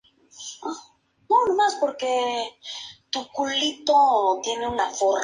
Fue dirigido por Kai Regan.